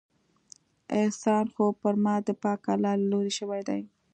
احسان خو پر ما د پاک الله له لورې شوى دى.